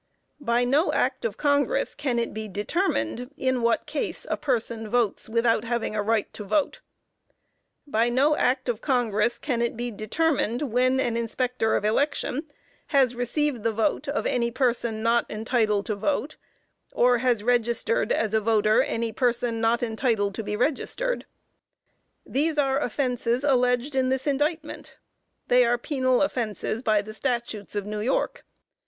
By no Act of Congress can it be determined in what case a person votes, "without having a right to vote." By no Act of Congress can it be determined when an Inspector of Election has received the vote of "any person not entitled to vote," or has registered "as a voter, any person not entitled to be registered." These are the offenses alleged in this indictment. They are penal offenses by the Statutes of New York.